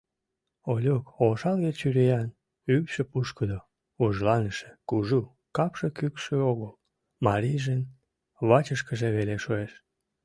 Олюк ошалге чуриян, ӱпшӧ пушкыдо, вужланыше, кужу, капше кӱкшӧ огыл, марийжын вачышкыже веле шуэш.